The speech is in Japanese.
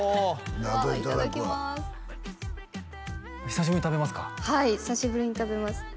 久しぶりに食べますか？